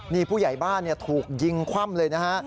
นี่ผู้ใหญ่บ้านถูกยิงคว่ำเลยนะฮะ